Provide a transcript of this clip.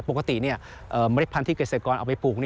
ปกติเมล็ดพันธุ์เกษตรกรเอาไปปลูก